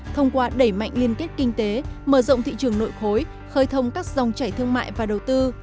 thông qua đẩy mạnh liên kết kinh tế mở rộng thị trường nội khối khơi thông các dòng chảy thương mại và đầu tư